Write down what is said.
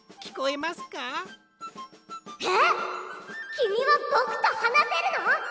きみはぼくとはなせるの？